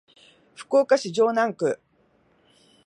福岡市城南区